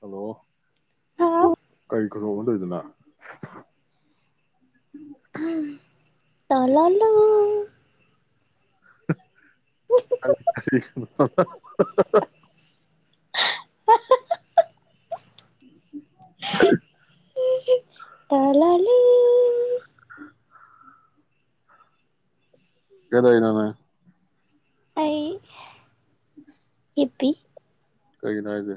Hello ꯀꯔꯤ ꯈꯨꯅꯣꯛꯅꯣ ꯇꯧꯏꯗꯨꯅ ꯇꯂ ꯂꯥ [inaudible] [unintelligible] ꯍ ꯇꯂꯥ ꯂꯤ [inaudible] ꯀꯗꯣꯏꯅꯣ ꯅꯪ ꯑꯩ [inaudible] ꯎꯄꯤ ꯀꯩꯒꯤꯅꯣ ꯍꯥꯢꯁꯦ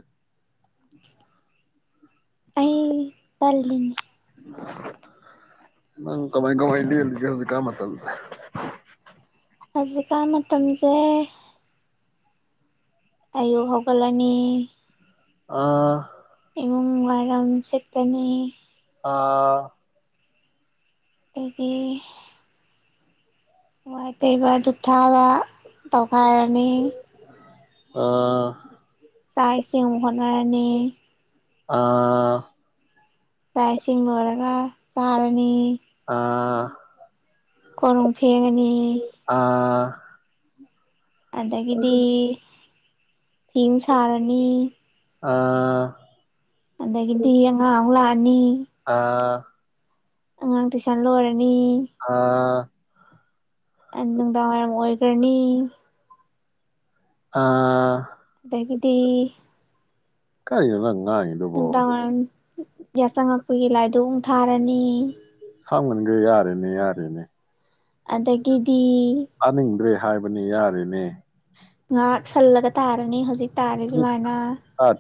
ꯑꯩ ꯇꯜꯂꯤꯅꯤ ꯅꯪ ꯀꯃꯥꯏ ꯀꯃꯥꯏ ꯂꯦꯂꯤꯒꯦ ꯍꯧꯖꯤꯛꯀꯥꯟ ꯃꯇꯝꯁꯦ ꯍꯧꯖꯤꯛꯀꯥꯟ ꯃꯇꯝꯁꯦ ꯑꯌꯨꯛ ꯍꯧꯒꯠꯂꯅꯤ ꯑꯥ ꯏꯃꯨꯡ ꯋꯥꯏꯔꯝ ꯁꯤꯠꯀꯅꯤ ꯑꯥ ꯑꯩꯗꯤ ꯋꯥꯢ ꯇꯩꯕ ꯗꯨꯛ ꯊꯥꯕ ꯇꯧ ꯊꯥꯔꯅꯤ ꯑ ꯆꯥꯛꯏꯁꯤꯡ ꯑꯃꯨꯛ ꯍꯣꯠꯅꯔꯅꯤ ꯑꯥ ꯥꯆꯥ ꯏꯁꯤꯡ ꯂꯣꯢꯔꯒꯥ ꯆꯔꯅꯤ ꯑꯥ ꯀꯣꯔꯣꯡ ꯐꯦꯡꯉꯅꯤ [inaudible] ꯑꯗꯒꯤꯗꯤ ꯐꯤ ꯑꯃꯨꯛ ꯁꯥꯔꯅꯤ ꯑꯥ ꯑꯗꯒꯤꯗꯤ ꯑꯉꯥꯡ ꯑꯃꯨꯛ ꯂꯥꯛꯑꯅꯤ ꯅꯤ ꯑꯥ ꯑꯥꯉꯥꯡ ꯇꯨꯁꯟ ꯂꯣꯢꯔꯅꯤ ꯍꯥ ꯅꯨꯡꯗꯥꯡꯋꯥꯏꯔꯝ ꯑꯣꯏꯒ꯭ꯔꯅꯤ ꯑꯥ ꯑꯗꯒꯤꯗꯤ ꯀꯩꯅꯣ ꯅꯪ ꯉꯥꯡꯉꯤꯗꯨꯕꯣ ꯅꯨꯡꯗꯥꯡꯋꯥꯔꯝ ꯋꯥꯆꯪꯉꯛꯄꯒꯤ ꯂꯥꯏꯗꯨꯛ ꯑꯃꯨꯛ ꯊꯥꯔꯅꯤ ꯍꯛ ꯃꯟꯔꯦ ꯌꯥꯔꯦꯅꯦ ꯌꯥꯔꯦꯅꯦ ꯑꯗꯒꯤꯗꯤ ꯇꯥꯅꯤꯡꯗ꯭ꯔꯦ ꯍꯥꯏꯕꯅꯤ ꯌꯥꯔꯦꯅꯦ ꯉꯥꯏꯍꯥꯛ ꯁꯜꯂꯒ ꯇꯥꯔꯅꯤ ꯍꯧꯖꯤꯛ ꯍꯧꯖꯤꯛ ꯇꯥꯔꯤꯁꯨꯃꯥꯏꯅ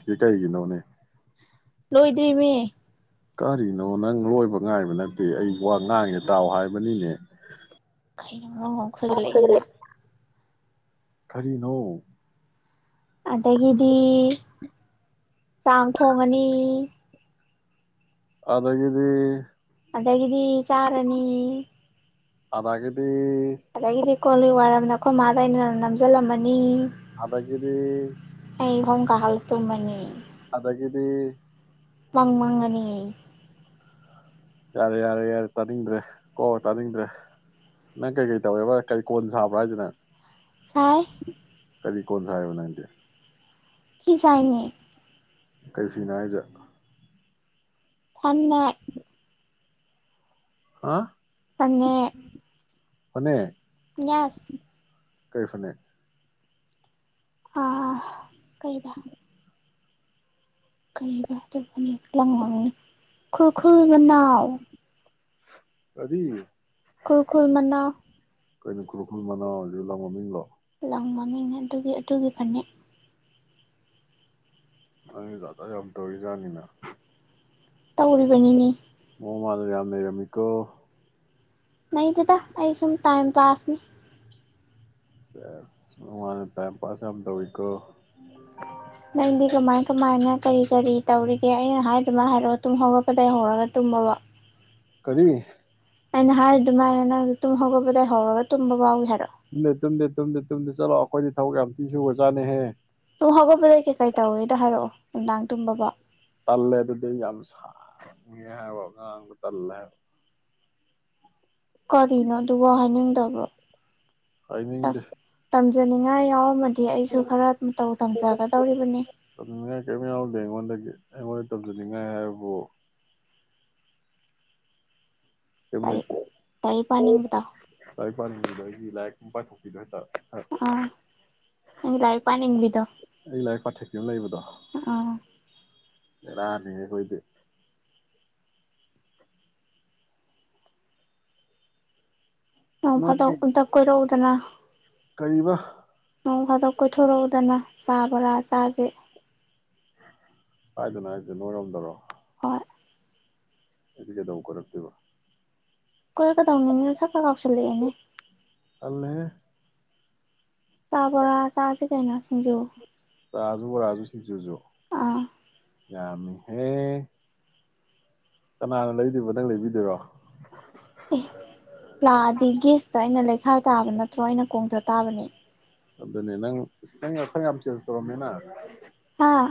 ꯁꯤ ꯀꯩꯒꯤ ꯅꯣꯅꯦ ꯂꯣꯏꯗ꯭ꯔꯤꯃꯤ ꯀꯔꯤꯅꯣ ꯅꯪ ꯂꯣꯏꯕ ꯉꯥꯏꯕ ꯅꯠꯇꯦ ꯑꯩ ꯋꯥ ꯉꯥꯡꯉꯦ ꯇꯥꯎ ꯍꯥꯏꯕꯅꯤꯅꯦ ꯀꯩ ꯂꯣꯟꯒꯥ ꯑꯃꯨꯛ ꯈꯣꯏꯒꯠꯂꯛ ꯢꯖꯤꯅꯥ ꯀꯔꯤꯅꯣ ꯑꯗꯒꯤꯗꯤ ꯆꯥꯛ ꯊꯣꯡꯉꯅꯤ ꯑꯗꯒꯤꯗꯤ ꯑꯗꯒꯤꯗꯤ ꯆꯥꯔꯅꯤ ꯑꯗꯒꯤꯗꯤ ꯑꯗꯒꯤꯗꯤ ꯀꯣꯜꯂꯤꯛ ꯋꯥꯏꯔꯝꯅ ꯃꯩꯈꯣꯢ ꯃꯥꯗ ꯑꯩꯅ ꯅꯝꯁꯤꯜꯂꯝꯃꯅꯤ ꯑꯗꯒꯤꯗꯤ ꯑꯩ ꯐꯃꯨꯡ ꯀꯥꯈꯠꯂ ꯇꯨꯝꯃꯅꯤ ꯑꯗꯒꯤꯗꯤ ꯃꯪ ꯃꯪꯉꯅꯤ ꯌꯥꯔꯦ ꯌꯥꯔꯦ ꯌꯥꯔꯦ ꯇꯥꯅꯤꯡꯗ꯭ꯔꯦ ꯀꯣ ꯇꯥꯅꯤꯡꯗ꯭ꯔꯦ ꯅꯪ ꯀꯩꯀꯩ ꯇꯧꯋꯦꯕ ꯀꯔꯤ ꯀꯣꯟ ꯁꯥꯕ꯭ꯔꯣ ꯍꯥꯏꯁꯦ ꯅꯪ ꯁꯥꯏ ꯀꯔꯤ ꯀꯣꯟ ꯁꯥꯢꯕ ꯅꯪꯗꯤ ꯐꯤ ꯁꯥꯏꯅꯦ ꯀꯩ ꯐꯤꯅꯣ ꯍꯥꯏꯖꯦ ꯈ꯭ꯋꯥꯡ ꯅꯥꯏ ꯍꯥ ꯐꯅꯦꯛ ꯐꯅꯦꯛ ꯌꯥꯁ ꯀꯩ ꯐꯅꯦꯛ ꯑꯥ ꯀꯩꯕ ꯀꯔꯤꯕ ꯑꯗꯨ ꯐꯅꯦꯛ ꯂꯥꯡ ꯃꯃꯤꯡ ꯈꯨꯔꯈꯨꯜ ꯃꯅꯥꯎ ꯀꯔꯤ ꯈꯨꯨꯜ ꯈꯨꯨꯜ ꯃꯅꯥꯎ ꯀꯩꯅꯣ ꯈꯨꯔꯈꯨꯜ ꯃꯅꯥꯎ ꯂꯪ ꯃꯃꯤꯡꯂꯣ ꯂꯪ ꯃꯃꯤꯡꯅꯦ ꯑꯗꯨꯒꯤ ꯑꯗꯨꯒꯤ ꯐꯅꯦꯛ ꯑꯗꯨ ꯖꯥꯠ ꯖꯥꯠ ꯌꯥꯝ ꯇꯧꯔꯤꯖꯥꯠꯅꯤꯅ ꯇꯧꯔꯤꯕꯅꯤꯅꯦ ꯃꯑꯣꯡ ꯃꯥꯟꯗ ꯌꯥꯝ ꯅꯩꯔꯝꯃꯤꯀꯣ ꯂꯩꯇꯦꯗꯥ ꯑꯩ ꯁꯨꯝ ꯇꯥꯏꯝ ꯄꯥꯁꯅꯤ ꯁꯦꯁ ꯋꯥꯅ ꯇꯥꯏꯝ ꯄꯥꯁ ꯌꯥꯝ ꯇꯧ ꯏꯀꯣ ꯅꯪꯗꯤ ꯀꯃꯥꯏ ꯀꯃꯥꯏꯅ ꯀꯔꯤ ꯀꯔꯤ ꯇꯧꯔꯤꯒꯦ ꯑꯩꯅ ꯍꯥꯏꯗꯨꯃ ꯍꯥꯏꯔꯛꯑꯣ ꯇꯨꯝ ꯍꯧꯔꯛꯄꯗꯩ ꯍꯧꯔꯒ ꯇꯨꯝꯃꯕꯣ ꯀꯔꯤ ꯑꯩꯅ ꯍꯥꯏꯔꯤ ꯑꯗꯨꯃꯥꯏꯅ ꯅꯪ ꯇꯨꯝꯍꯧꯒꯄꯗꯩ ꯑꯩ ꯍꯧꯔꯒ ꯇꯨꯝꯕ ꯐꯎꯋ ꯍꯥꯏ ꯇꯨꯝꯗꯦ ꯇꯨꯝꯗꯦ ꯇꯨꯝꯗꯦ ꯇꯨꯝꯗꯦ ꯆꯂꯣ ꯑꯣꯠ ꯑꯩꯈꯣꯏꯗꯤ ꯊꯕꯛ ꯌꯥꯝ ꯊꯤ ꯁꯨꯒ꯭ꯔꯖꯥꯅꯤꯍꯦ ꯇꯨꯝ ꯍꯧꯒꯠꯄꯗꯩ ꯀꯩꯀꯩ ꯇꯧꯏꯦꯗꯣ ꯍꯥꯏꯔꯛꯑꯣ ꯅꯨꯡꯗꯥꯡ ꯇꯨꯝꯕ ꯐꯥꯎ ꯇꯜꯂꯦ ꯑꯗꯨꯗꯤ ꯌꯥꯝ ꯁꯥꯡꯢ ꯍꯥꯏꯕ ꯉꯥꯡꯕ ꯇꯜꯂꯦ ꯍꯥꯏ ꯀꯔꯤꯅꯣ ꯑꯗꯨ ꯋꯥ ꯍꯥꯏꯅꯤꯡꯗꯕ ꯋꯥ ꯍꯥꯢꯅꯤꯡꯗꯦ ꯆꯤꯡꯅꯅꯤꯡꯉꯥꯏ ꯌꯥꯎꯔꯝꯃꯗꯤ ꯁꯤ ꯑꯩꯁꯨ ꯈꯔ ꯃꯇꯧ ꯇꯝꯖꯒꯗꯧꯔꯤꯕꯅꯤ ꯇꯝꯅꯤꯡꯉꯥꯏ ꯀꯔꯤꯝ ꯌꯥꯎꯗꯦ ꯑꯩꯉꯣꯟꯗꯒꯤ ꯑꯩꯉꯣꯟꯗ ꯇꯝꯖꯅꯤꯡꯉꯥꯏ ꯍꯥꯏꯕꯨ ꯀꯩꯝ ꯂꯥꯏꯔꯤꯛ ꯂꯩꯇꯦ ꯂꯥꯏꯔꯤꯛ ꯄꯥꯅꯤꯡꯕꯗꯣ ꯂꯥꯢꯔꯤꯛ ꯄꯥꯅꯤꯡꯕꯗꯒꯤ ꯂꯥꯏ ꯄꯥꯏꯊꯣꯛꯄꯤꯗꯣ ꯍꯥꯏꯇꯥ ꯑꯥ ꯂꯥꯏꯔꯤꯛ ꯄꯥꯅꯤꯡꯕꯤꯗꯣ ꯑꯩ ꯂꯥꯏꯔꯤꯛ ꯄꯥꯊꯦꯛꯄꯤ ꯑꯃ ꯑꯥ ꯕꯦꯔꯅꯤ ꯑꯩꯈꯣꯏꯗꯤ ꯅꯣꯡ ꯐꯥꯗꯣꯛ ꯅꯣꯏ ꯑꯝꯇ ꯀꯣꯏꯔꯛꯎꯗꯅ ꯀꯔꯤꯕ ꯅꯣꯡ ꯐꯥꯗꯣꯛ ꯀꯣꯏꯊꯣꯔꯛꯎꯗꯅ ꯆꯥ ꯕꯣꯔꯥ ꯆꯥꯁꯦ ꯀꯥꯢꯗꯅꯣ ꯍꯥꯏꯁꯦ ꯅꯣꯏꯔꯣꯝꯗꯔꯣ ꯍꯣꯢ ꯑꯩꯗꯤ ꯀꯩꯗꯧ ꯀꯔꯛꯇꯣꯏꯕ ꯀꯣꯏꯔꯛꯀꯗꯧꯅꯤꯅꯦ ꯁꯛꯀ ꯀꯥꯎꯁꯜꯂꯛꯑꯦꯅꯦ ꯇꯜꯂꯦꯍꯦ ꯆꯥ ꯕꯣꯔꯥ ꯆꯥꯁꯤ ꯀꯩꯅꯣ ꯁꯤꯡꯖꯨ ꯆꯥꯁꯨ ꯕꯣꯔꯥꯁꯨ ꯁꯤꯡꯖꯨꯁꯨ ꯑꯥ ꯌꯥꯃꯤꯍꯦ ꯀꯅꯥꯅ ꯂꯩꯗꯣꯏꯕ ꯅꯪ ꯂꯩꯕꯤꯗꯣꯏꯔꯣ ꯑꯦ ꯌꯥꯗꯦ ꯒꯦꯁꯇ ꯑꯩꯅ ꯂꯩ ꯏꯁꯥ ꯇꯥꯕ ꯅꯠꯇ꯭ꯔꯣ ꯑꯩꯅ ꯀꯣꯡꯊ ꯇꯥꯕꯅꯦ ꯑꯗꯨꯅꯦ ꯅꯪ ꯅꯪ ꯁꯛ ꯌꯥꯝ ꯆꯦꯟꯖ ꯇꯧꯔꯝꯃꯦꯅ ꯍꯥꯥ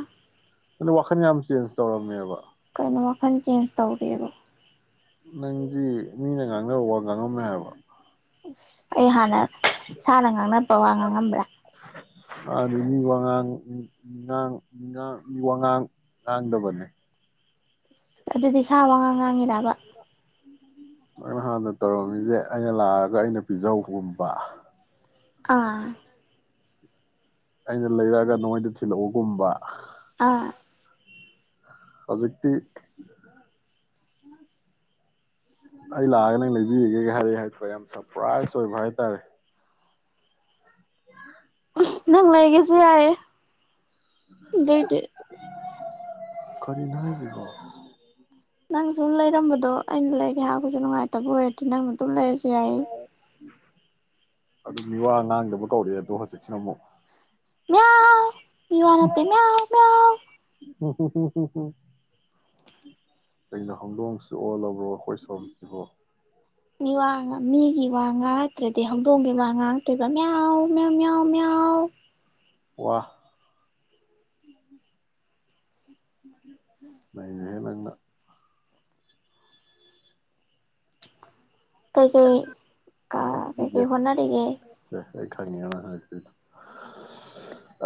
ꯑꯗꯨ ꯋꯥꯈꯜ ꯌꯥꯝ ꯆꯦꯟꯖ ꯇꯧꯔꯝꯃꯦꯕ ꯀꯩꯅꯣ ꯋꯥꯈꯜ ꯆꯦꯟꯖ ꯇꯧꯔꯦꯕꯣ ꯅꯪꯗꯤ ꯃꯤꯅ ꯉꯥꯡꯅꯕ ꯋꯥ ꯉꯥꯡꯉꯝꯃꯦ ꯍꯥꯏꯕ ꯑꯁ ꯑꯩ ꯍꯥꯟꯅ ꯁꯥꯅ ꯉꯥꯡꯅꯕ ꯋꯥ ꯉꯥꯡꯉꯝꯕ꯭ꯔꯥ ꯃꯤ ꯋꯥꯉꯥꯡꯉꯥꯡ ꯉꯥꯡ ꯃꯤ ꯋꯥꯉꯥꯡ ꯉꯥꯡꯗꯕꯅꯦ ꯑꯗꯨꯗꯤ ꯁꯥ ꯋꯉꯥꯡ ꯉꯥꯡꯉꯤꯔ ꯑꯕ ꯅꯪꯅ ꯍꯥꯟꯅ ꯇꯧꯔꯝꯃꯤꯁꯦ ꯑꯩꯅ ꯂꯥꯛꯑꯒ ꯑꯩꯅ ꯄꯤꯖꯧꯕꯒꯨꯝꯕ ꯑꯥ ꯑꯩꯅ ꯂꯩꯔꯛꯑꯒ ꯅꯉꯣꯏꯗ ꯊꯤꯜꯂꯛꯑꯣꯒꯨꯝꯕ ꯑꯥ ꯍꯧꯖꯤꯛꯇꯤ ꯑꯩ ꯂꯥꯛꯑꯒ ꯅꯪ ꯂꯩꯕꯤꯔꯒꯦꯒ ꯍꯥꯏꯔ ꯍꯥꯏ ꯌꯥꯝ ꯁꯔꯄ꯭ꯔꯥꯏꯖ ꯑꯣꯏꯕ ꯍꯥꯏꯇꯥꯔꯦ [inaudible] ꯅꯪ ꯂꯩꯒꯦꯁꯨ ꯌꯥꯏ ꯑꯗꯨꯏꯗꯤ ꯈꯔꯤꯅꯣ ꯍꯥꯏꯁꯤꯕꯣ ꯅꯪꯁꯨ ꯂꯩꯔꯝꯕꯗꯣ ꯑꯩꯅ ꯂꯩꯒꯦ ꯍꯥꯏꯕꯁꯦ ꯅꯨꯡꯉꯥꯏꯇꯕ ꯑꯣꯏꯔꯗꯤ ꯅꯪꯅ ꯑꯗꯨꯝ ꯂꯩꯔꯁꯨ ꯌꯥꯏ ꯑꯗꯨ ꯃꯤꯋꯥ ꯉꯥꯡꯗꯕ ꯀꯧꯔꯛꯑꯦ ꯑꯗꯣ ꯍꯧꯖꯤꯛꯁꯤꯅ ꯑꯃꯨꯛ ꯃꯤꯌꯥꯎ ꯃꯤꯋꯥ ꯅꯠꯇꯦ ꯃꯤꯑꯎ ꯃꯤꯑꯎ ꯎ ꯎ ꯎ ꯀꯩꯅꯣ ꯍꯧꯗꯣꯡꯁꯨ ꯑꯣꯜꯂꯕ꯭ꯔꯣ ꯑꯩꯈꯣꯏ ꯁꯣꯝꯁꯤꯕꯣ ꯃꯤ ꯋꯥ ꯃꯤꯒꯤ ꯋꯥ ꯉꯥꯉꯛ ꯅꯠꯇ꯭ꯔꯗꯤ ꯍꯧꯗꯣꯡꯒꯤ ꯋꯥ ꯉꯥꯡꯇꯣꯏꯕ ꯃꯤꯌꯎ ꯃꯤꯌꯎ ꯃꯤꯌꯥꯎ ꯃꯤꯌꯥꯎ ꯋꯥ ꯅꯩꯔꯦꯍꯦ ꯅꯪꯅ ꯀꯩ ꯀꯩ ꯀ ꯍꯣꯠꯅꯔꯤꯁꯦ ꯀꯩꯀꯩ ꯍꯣꯠꯅꯔꯤꯒꯦ ꯁꯦ ꯑꯩ ꯈꯪꯉꯦ ꯅꯪ ꯍꯥꯏꯔꯛꯇꯣꯢꯗꯣ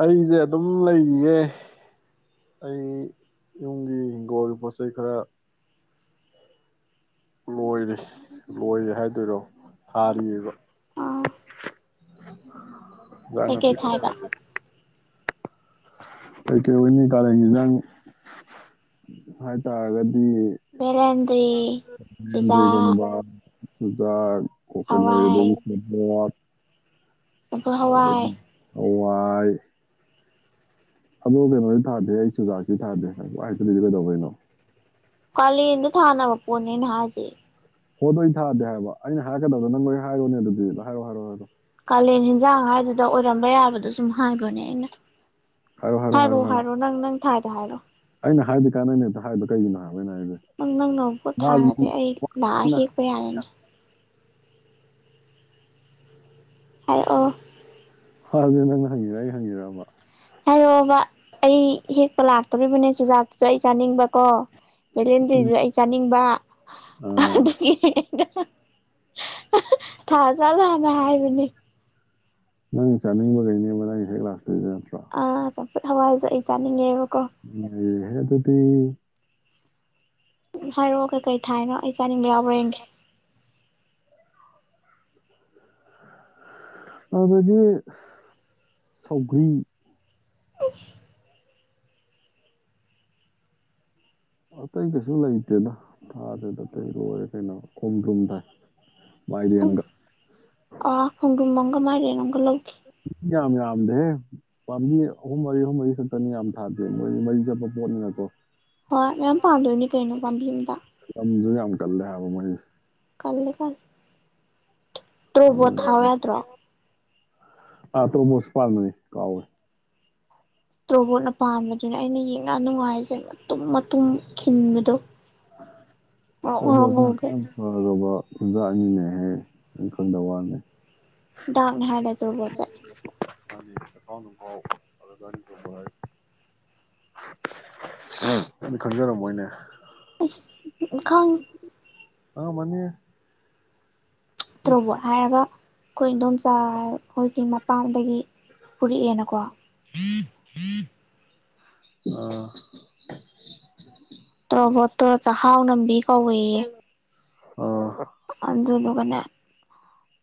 ꯑꯩꯁꯦ ꯑꯗꯨꯝ ꯂꯩꯔꯤꯌꯦ ꯑꯩ ꯌꯨꯝꯒꯤ ꯍꯤꯡꯒꯣꯜꯒꯤ ꯄꯣꯠꯆꯩ ꯈꯔ ꯂꯣꯏꯔꯦ ꯂꯣꯏꯔꯦ ꯍꯥꯏꯗꯣꯏꯔꯣ ꯊꯥꯔꯤꯑꯕ ꯑꯥ [inaudible] ꯏꯟꯖꯥꯡ ꯅꯥꯄꯤ ꯀꯩꯀꯩ ꯈꯔ ꯊꯥꯏꯕ ꯊꯥꯔꯤꯌ ꯀꯩꯀꯩ ꯑꯣꯏꯅꯤ ꯀꯥꯂꯦꯟꯒꯤ ꯏꯟꯖꯥꯡ ꯍꯥꯏꯇꯥꯔꯒꯗꯤ ꯚꯦꯂꯦꯟꯗ꯭ꯔꯤ ꯆꯨꯖꯥꯛ ꯕꯦꯟꯗ꯭ꯔꯤꯒꯨꯝꯕ ꯆꯨꯖꯥꯛ ꯀꯣꯀꯅ ꯍꯋꯥꯏ [unintelligible] ꯑꯃꯨꯀ ꯍꯋꯥꯏ ꯍꯣꯋꯥꯏ ꯑꯗꯣ ꯀꯩꯅꯣꯗꯤ ꯊꯥꯗꯦꯍꯦ ꯆꯨꯖꯥꯛꯇꯤ ꯊꯥꯗꯦ ꯄꯨꯍꯥꯏ ꯍꯥꯏꯖꯤꯂꯤꯗꯣ ꯀꯩꯗꯧꯕꯩꯅꯣ ꯀꯂꯦꯟꯗ ꯊꯥꯅꯕ ꯄꯣꯠꯅꯦ ꯑꯩꯅ ꯍꯥꯢꯖꯦ ꯍꯣꯗꯣꯏ ꯑꯩ ꯊꯥꯗꯦ ꯍꯥꯏꯕ ꯑꯩꯅ ꯍꯥꯏꯒꯗꯕꯗꯣ ꯅꯪ ꯂꯣꯏ ꯍꯥꯏꯔꯣꯅꯦ ꯑꯗꯨꯗꯤ ꯍꯥꯏꯔꯣ ꯍꯥꯏꯔꯑꯣ ꯍꯥꯏꯔꯣ ꯀꯥꯂꯦꯟ ꯏꯟꯖꯥꯡ ꯍꯥꯏꯗꯨꯗ ꯑꯣꯏꯔꯝꯕ ꯌꯥꯕꯗꯣ ꯁꯨꯝ ꯍꯥꯏꯕꯅꯦ ꯑꯩꯅ ꯍꯥꯏꯔꯣ ꯍꯥꯏꯔꯣ ꯍꯥꯏꯔꯣꯑꯣ ꯍꯥꯏꯔꯣ ꯅꯪ ꯅꯪ ꯊꯥꯢꯗꯣ ꯍꯥꯏꯔꯣ ꯍꯥꯢꯕꯗꯤ ꯀꯥꯟꯅꯗꯦ ꯑꯝꯇ ꯍꯥꯢꯕꯗ ꯀꯩꯒꯤꯅꯣ ꯍꯥ ꯅꯪ ꯅꯪꯅ ꯄꯣꯠ ꯊꯥꯔꯗꯦ ꯑꯩ ꯂꯥꯛꯑ ꯅꯪ- ꯑꯩꯅ ꯍꯦꯛꯄ ꯌꯥꯔꯅꯤ ꯍꯥꯢꯔꯛꯑꯣ ꯍ ꯗꯨ ꯅꯪꯅ ꯍꯪꯉꯤꯔ ꯑꯩ ꯍꯪꯉꯤꯔꯕ ꯍꯥꯏꯔꯑꯣꯕ ꯑꯩ ꯍꯦꯛꯄ ꯂꯥꯛꯇꯣꯔꯤꯕꯅꯦ ꯆꯨꯖꯥꯛꯇꯨꯁꯨ ꯑꯩ ꯆꯥꯅꯤꯡꯕꯀꯣ ꯎꯝ. ꯚꯦꯂꯦꯟꯗꯔꯤꯁꯨ ꯑꯩ ꯆꯥꯅꯤꯡꯕ ꯑꯥ ꯑꯥꯗꯨꯒꯤ ꯑꯍ ꯑꯍ ꯊꯥꯖꯥꯠꯂꯅ ꯍꯥꯢꯕꯅꯦ ꯅꯪ ꯆꯥꯅꯤꯡꯕ ꯒꯩꯅꯦꯕ ꯅꯪ ꯍꯦꯛ ꯂꯥꯛꯇꯣꯏꯖꯦ ꯑ ꯆꯝꯐꯨꯠ ꯍꯋꯥꯏꯁꯨ ꯑꯩ ꯆꯥꯅꯤꯡꯉꯦꯕ ꯏꯌꯦ ꯍꯦ ꯑꯗꯨꯗꯤ ꯎ ꯍꯥꯏꯔꯣ ꯀꯩ ꯀꯩ ꯊꯥꯏꯅꯣ ꯑꯩꯁ ꯆꯥꯅꯤꯡꯕ ꯌꯥꯎꯕ꯭ꯔꯥ ꯌꯦꯢꯒꯦ ꯑꯕꯗꯤ ꯁꯥꯎꯒ꯭ꯔꯤ ꯑꯁ ꯑꯇꯩ ꯀꯩꯁꯨ ꯂꯩꯇꯦꯗ ꯊꯥꯗꯦꯗ ꯑꯇꯩ ꯂꯣꯏꯔꯦ ꯀꯩꯅꯣ ꯈꯣꯡꯗ꯭ꯔꯨꯝ ꯊꯥꯏ ꯍꯝ ꯃꯥꯏꯔꯦꯟꯒ ꯑꯥ ꯈꯣꯡꯗꯨ꯭ꯝ ꯑꯃꯒ ꯃꯥꯢꯔꯦꯟ ꯑꯃꯒ ꯂꯧꯒꯦ ꯌꯥꯝ ꯌꯥꯝꯗꯦꯍꯦ ꯄꯥꯝꯕꯤ ꯑꯍꯨꯝ ꯃꯔꯤ ꯑꯍꯨꯝ ꯃꯔꯤ ꯈꯛꯇꯅꯤ ꯌꯥꯝ ꯊꯥꯗꯦ ꯃꯣꯏꯗꯤ ꯃꯔꯤ ꯆꯠꯄ ꯄꯣꯠꯅꯤꯅꯀꯣ ꯍꯣꯏ ꯃꯌꯥꯝ ꯄꯥꯟꯗꯣꯏꯅꯤ ꯀꯩꯅꯣ ꯄꯥꯝꯕꯤ ꯑꯝꯗ ꯂꯝꯗꯣ ꯌꯥꯝ ꯀꯜꯂꯦ ꯍꯥꯢꯕ ꯃꯣꯢꯁꯦ ꯇꯜꯂꯤꯀꯥꯜ ꯇ꯭ꯔꯣꯕꯣꯠ ꯊꯥꯎ ꯌꯥꯗ꯭ꯔꯣ ꯑ ꯇ꯭ꯔꯣꯕꯣꯠ ꯄꯥꯟꯕꯅꯦ ꯀꯥꯎꯋꯦ ꯇ꯭ꯔꯣꯕꯣꯠꯅ ꯄꯥꯝꯕꯗꯨꯅꯦ ꯑꯩꯅ ꯌꯦꯡꯉ ꯅꯨꯡꯉꯥꯏꯔꯤꯁꯦ ꯃꯇꯨꯝ ꯃꯇꯨꯝ ꯈꯤꯟꯕꯗꯣ ꯉꯧꯔꯣꯛ ꯉꯧꯔꯣꯛ ꯇ꯭ꯔꯣꯕꯣꯠꯅ ꯉꯧꯒꯩ ꯍꯛꯆꯥꯡ ꯐꯔꯕ ꯆꯤꯟꯖꯥꯛꯅꯤꯅꯦꯍꯦ ꯅꯪꯈꯪꯗ ꯋꯥꯅꯦ ꯗꯥꯛꯅꯤ ꯍꯥꯏꯗꯥꯏ ꯇ꯭ꯔꯣꯕꯣꯠꯁꯦ [unintelligible] ꯅꯪꯗꯤ ꯈꯪꯖꯔꯝꯃꯣꯢꯅꯦ ꯏꯁ ꯎ ꯈꯪ ꯈꯪꯑꯝꯃꯅꯤꯍꯦ ꯇ꯭ꯔꯣꯕꯣꯠ ꯍꯥꯏꯔꯒ ꯑꯩꯈꯣꯏ ꯏꯗꯣꯝꯆꯥ ꯍꯥꯏ ꯑꯩꯈꯣꯏꯒꯤ ꯃꯄꯥꯝꯗꯒꯤ ꯄꯨꯔꯛꯑꯦꯅꯀꯣ ꯑꯥ ꯇ꯭ꯔꯣꯕꯣꯠꯇꯣ ꯆꯍꯥꯎ ꯅꯝꯕꯤ ꯀꯧꯌꯦ ꯑꯥꯍꯥ ꯑꯗꯨꯗꯨꯒꯅꯦ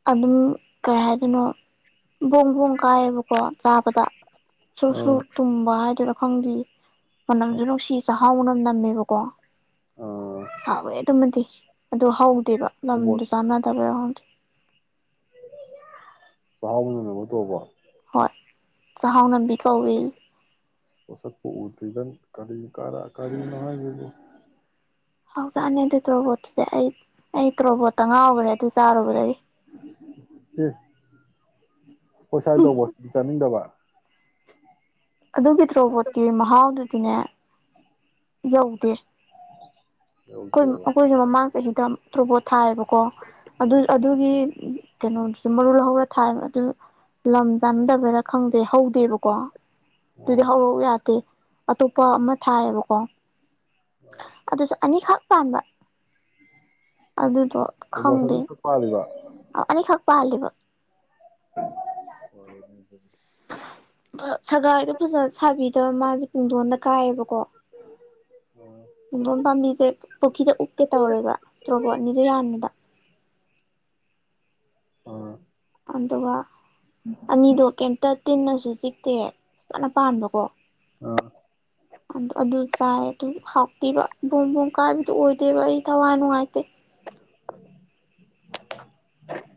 ꯑꯗꯨꯝ ꯀꯩ ꯍꯥꯏꯗꯣꯏꯅꯣ ꯕꯣꯡ ꯕꯣꯡ ꯀꯥꯏꯑꯦꯕꯀꯣ ꯆꯥꯕꯗ ꯁꯨ ꯁꯨ ꯑꯥ ꯇꯨꯝꯕ ꯍꯥꯏꯗꯨꯔ ꯈꯪꯗꯤꯌꯦ ꯃꯅꯝꯖꯦ ꯅꯨꯡꯁꯤ ꯆꯥꯎ ꯐꯥꯕ ꯅꯝꯃꯦꯕꯥꯀꯣ ꯑꯥ ꯍꯥꯎꯌꯦ ꯑꯗꯨꯃꯗꯤ ꯉꯝꯗꯦ ꯔꯣꯕꯣꯠ ꯆꯥꯟꯅꯗꯕꯩꯔ [inaudible] ꯆꯥꯍꯥꯎ ꯃꯅꯝ ꯅꯝꯃ ꯇꯣꯛꯑꯕꯣ ꯍꯣꯏ ꯆꯥꯍꯥꯎꯅꯝꯕꯤ ꯀꯧꯌꯦꯌꯦ ꯃꯁꯛꯄꯨ ꯎꯗ꯭ꯔꯤꯗ ꯀꯔꯤ ꯀꯅꯥ ꯀꯔꯤꯅꯣ ꯍꯥꯏꯁꯤꯕꯣ ꯍꯥꯎ ꯆꯥꯅꯤ ꯑꯗꯨ ꯇ꯭ꯔꯣꯕꯣꯠꯇꯨꯗꯤ ꯑꯩ ꯑꯩ ꯇ꯭ꯔꯣꯕꯣꯠꯇ ꯉꯥꯎꯒ꯭ꯔꯦ ꯑꯗꯨ ꯆꯥꯔꯨꯕꯗꯒꯤ ꯑꯦ ꯈꯣꯏꯁꯥꯏ ꯇꯧꯕ ꯆꯥꯅꯤꯡꯗꯕ ꯑꯗꯨꯒꯤ ꯇ꯭ꯔꯣꯕꯣꯠꯀꯤ ꯃꯍꯥꯎꯗꯨ ꯗꯤꯅꯦ ꯌꯧꯗꯦ ꯈꯣꯏ ꯌꯧꯗꯦꯕ ꯑꯩꯈꯣꯏꯖꯨ ꯃꯃꯥꯡ ꯆꯍꯤꯗ ꯇ꯭ꯔꯨꯣꯕꯣꯠ ꯊꯥꯏꯑꯦꯕꯀꯣ ꯑꯗꯨ ꯑꯥ ꯑꯗꯨꯒꯤ ꯀꯩꯅꯣꯗꯨꯖꯨ ꯃꯔꯨ ꯂꯧꯍꯧꯔ ꯊꯥꯏꯕ ꯑꯗꯨ ꯂꯝ ꯆꯥꯟꯅꯗꯕꯩꯔ ꯈꯪꯗꯦ ꯍꯧꯗꯦꯕꯀꯣ ꯑꯗꯨꯗꯤ ꯑꯥ ꯍꯧꯔꯧꯎ ꯌꯥꯗꯦ ꯑꯇꯣꯞꯄ ꯑꯃ ꯊꯥꯏꯑꯦꯕꯀꯣ ꯑꯗꯨꯁꯨ ꯑꯅꯤꯈꯛ ꯄꯥꯟꯕ ꯑꯗꯨ ꯇ꯭ꯔꯣꯕꯣꯠ ꯑꯅꯤꯈꯛ ꯄꯥꯜꯂꯤꯕ ꯑꯥ ꯑꯅꯤꯈꯛ ꯄꯥꯜꯂꯤꯕ [unintelligible] ꯁꯒꯥꯏꯗꯣ ꯐꯖꯅ ꯁꯥꯕꯤꯗꯕ ꯃꯥꯖꯦ ꯄꯨꯡꯗꯣꯟ ꯗ ꯀꯥꯏꯌꯦꯕ ꯀꯣ ꯄꯨꯡꯗꯣꯟ ꯄꯥꯝꯕꯤꯖꯦ ꯄꯨꯈꯤꯗ ꯎꯞꯀꯦ ꯇꯧꯔꯦꯕ ꯇ꯭ꯔꯣꯕꯣꯠ ꯑꯅꯤꯗꯣ ꯌꯥꯟꯕꯗ ꯑꯥ ꯑꯗꯨꯒ ꯑꯅꯤꯗꯣ ꯀꯩꯝꯇ ꯇꯤꯟꯅꯁꯨ ꯆꯤꯛꯇꯦ ꯐꯖꯅ ꯄꯥꯟꯕꯀꯣ ꯑꯥ ꯑꯗꯨ ꯑꯗꯨ ꯆꯥꯏ ꯑꯗꯨ ꯍꯥꯎꯇꯤꯕ ꯕꯣꯝ ꯕꯣꯝ ꯀꯥꯏꯕꯗꯨ ꯑꯣꯏꯗꯦꯕ ꯑꯩ ꯊꯋꯥꯏ ꯅꯨꯡꯉꯥꯏꯇꯦ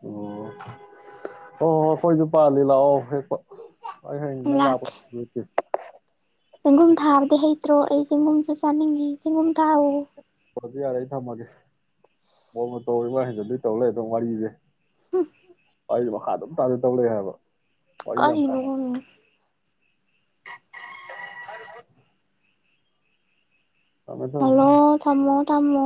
ꯑꯣ ꯑꯣ ꯑꯩꯈꯣꯏꯖꯨ ꯄꯥꯜꯂꯤ ꯂꯥꯛꯑꯣ ꯍꯦꯛꯄ ꯑꯩ ꯍꯌꯦꯡ ꯅꯪ ꯂꯥꯛꯄ ꯂꯥꯛꯀꯦ ꯄꯨꯕꯤꯔꯛꯀꯦ ꯆꯦꯡꯒꯨꯝ ꯊꯥꯕꯗꯤ ꯍꯩ ꯇ꯭ꯔꯣ ꯑꯩ ꯆꯦꯡꯒꯨꯝꯁꯨ ꯆꯥꯅꯤꯡꯉꯦ ꯆꯤꯡꯒꯨꯝ ꯊꯥꯍꯧꯋꯦ ꯐꯣꯟꯖꯦ ꯌꯥꯔꯦ ꯑꯩ ꯊꯝꯃꯒꯦ [unintelligible] [unintelligible] ꯇꯧ ꯂꯩ ꯑꯗꯣ ꯋꯥꯔꯤꯖꯦ ꯋꯥꯔꯤꯖꯦ ꯃꯈꯥ ꯑꯗꯨꯝ ꯇꯥꯗꯧ ꯇꯧ ꯂꯩ ꯍꯥꯏꯕ ꯋꯥꯔꯤ ꯌꯥꯝ ꯀꯔꯤꯅꯣ ꯀꯥꯕ ꯅꯪ [inaudible] ꯊꯝꯃꯦ ꯊꯝꯃꯦ ꯍꯜꯂꯣ ꯊꯝꯃꯣ ꯇꯝꯃꯣ